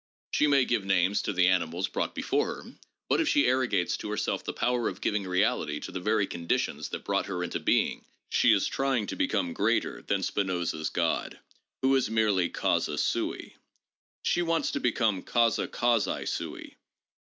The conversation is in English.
She may give names to the ani mals brought before her, but if she arrogates to herself the power of giving reality to the very conditions that brought her into being, she is trying to become greater than Spinoza's God, who is merely causa sui. She wants to become causa causa sui.